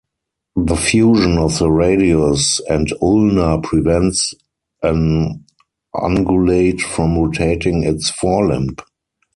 The fusion of the radius and ulna prevents an ungulate from rotating its forelimb.